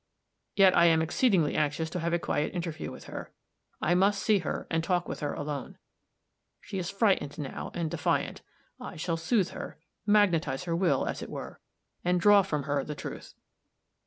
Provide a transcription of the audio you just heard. Yet I am exceedingly anxious to have a quiet interview with her. I must see her and talk with her alone. She is frightened now, and defiant. I shall soothe her magnetize her will, as it were and draw from her the truth.